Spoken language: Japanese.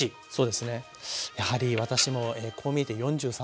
やはり私もこう見えて４３。